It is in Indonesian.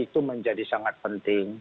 itu menjadi sangat penting